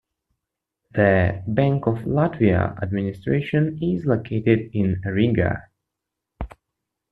The Bank of Latvia administration is located in Riga.